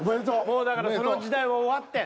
もうだからその時代は終わってん。